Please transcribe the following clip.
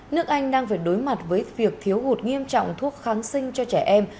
nước anh đang phải đối mặt với việc thiếu hụt nghiêm trọng thuốc kháng sinh cho trẻ em